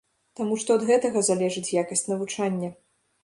Таму што ад гэтага залежыць якасць навучання.